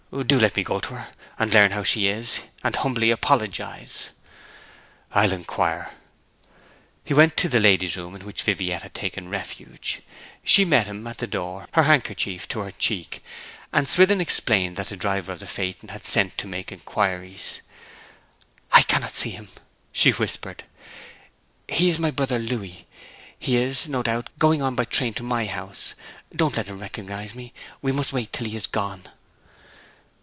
'Do let me go to her, and learn how she is, and humbly apologize.' 'I'll inquire.' He went to the ladies' room, in which Viviette had taken refuge. She met him at the door, her handkerchief to her cheek, and Swithin explained that the driver of the phaeton had sent to make inquiries. 'I cannot see him!' she whispered. 'He is my brother Louis! He is, no doubt, going on by the train to my house. Don't let him recognize me! We must wait till he is gone.'